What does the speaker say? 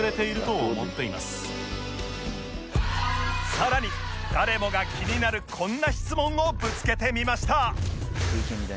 さらに誰もが気になるこんな質問をぶつけてみました